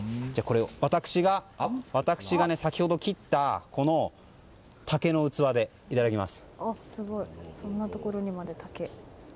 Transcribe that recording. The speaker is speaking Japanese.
私が先ほど切った竹の器でいただきます。